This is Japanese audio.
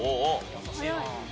優しいな。